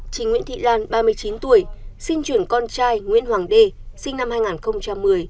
chị nguyễn thị lan ba mươi chín tuổi xin chuyển con trai nguyễn hoàng đê sinh năm hai nghìn một mươi